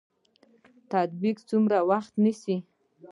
تطبیق څومره وخت نیسي؟